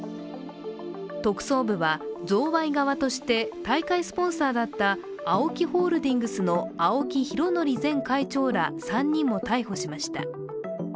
特捜部は贈賄側として大会スポンサーだったＡＯＫＩホールディングスの青木拡憲前会長ら３人も逮捕しました。